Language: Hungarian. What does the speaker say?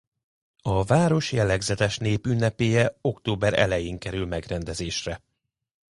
A város jellegzetes népünnepélye október elején kerül megrendezésre.